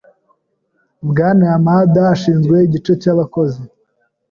Bwana Yamada ashinzwe igice cyabakozi.